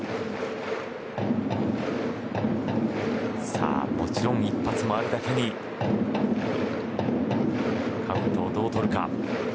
さあ、もちろん一発もあるだけにカウントをどうとるか。